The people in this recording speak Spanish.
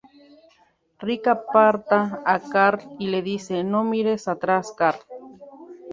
Rick aparta a Carl y le dice: "No mires atrás, Carl.